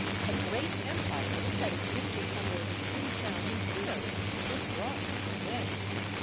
A great empire which had existed for more than three thousand years was brought to an end.